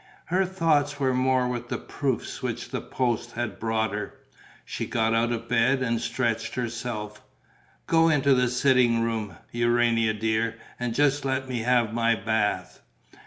Her thoughts were more with the proofs which the post had brought her. She got out of bed and stretched herself: "Go into the sitting room, Urania dear, and just let me have my bath."